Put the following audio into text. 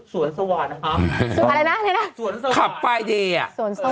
เป็นการกระตุ้นการไหลเวียนของเลือด